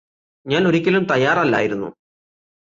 ഞാന് ഒരിക്കലും തയ്യാറല്ലായിരുന്നു